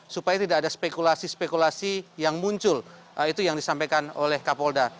supaya tidak ada spekulasi spekulasi yang muncul itu yang disampaikan oleh kapolda